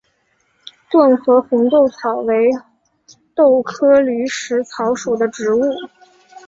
顿河红豆草为豆科驴食草属的植物。